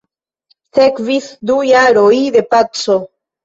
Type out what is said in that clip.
Sekvis du jaroj de paco.